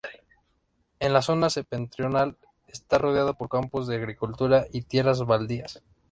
En la zona septentrional, está rodeado por campos de agricultura y tierras baldías.